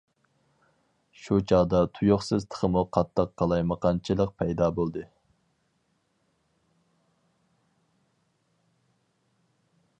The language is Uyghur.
شۇ چاغدا تۇيۇقسىز تېخىمۇ قاتتىق قالايمىقانچىلىق پەيدا بولدى.